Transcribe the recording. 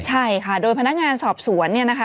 ใช่ค่ะโดยพนักงานสอบสวนเนี่ยนะคะ